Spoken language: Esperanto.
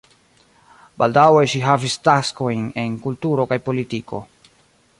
Baldaŭe ŝi havis taskojn en kulturo kaj politiko.